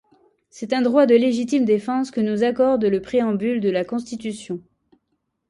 C'est un droit de légitime défense que nous accorde le préambule de la Constitution.